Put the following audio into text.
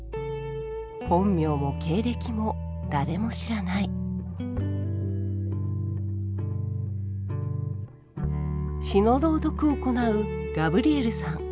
本名も経歴も誰も知らない詩の朗読を行うガブリエルさん。